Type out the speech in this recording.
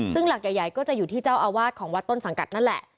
ซึ่งหลักใหญ่ก็จะอยู่ที่เจ้าอาวาสของวัดต้นสังกัดนั่นแหละ